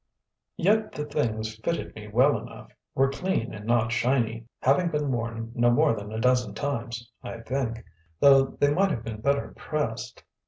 Yet the things fitted me well enough; were clean and not shiny, having been worn no more than a dozen times, I think; though they might have been better pressed.